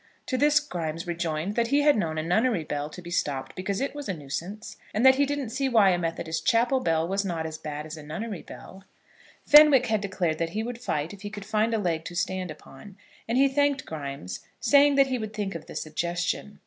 To this Grimes rejoined that he had known a nunnery bell to be stopped because it was a nuisance, and that he didn't see why a Methodist chapel bell was not as bad as a nunnery bell. Fenwick had declared that he would fight if he could find a leg to stand upon, and he thanked Grimes, saying that he would think of the suggestion.